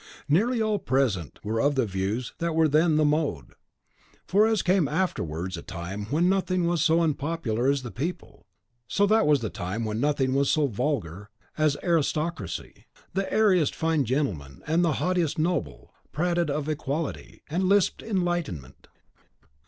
Nearly all present were of the views that were then the mode. For, as came afterwards a time when nothing was so unpopular as the people, so that was the time when nothing was so vulgar as aristocracy. The airiest fine gentleman and the haughtiest noble prated of equality, and lisped enlightenment.